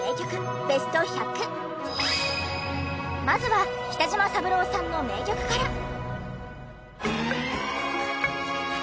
まずは北島三郎さんの名曲から。